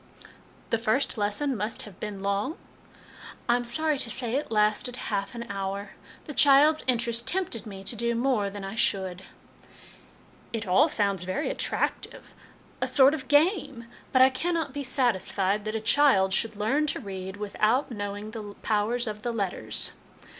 "The first lesson must have been long?" "I'm sorry to say it lasted half an hour. The child's interest tempted me to do more than I should." " It all sounds very attractive a sort of game but 214 HOME EDUCATION I cannot be satisfied that a child should learn to read without knowing the powers of the letters.